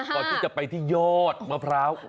ก่อนที่จะไปที่ยอดมะพร้าว